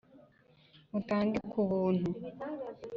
Mutange ku buntu